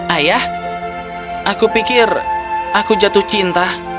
ayah aku pikir aku jatuh cinta